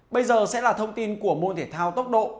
bây giờ sẽ là thông tin của môn thể thao tốc độ